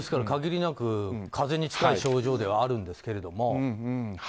限りなく風邪に近い症状ではあるんですけれども。